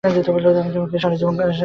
আমি তোমার সাথে সারাজীবন কাটাতে চাই।